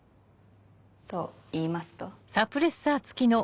といいますと？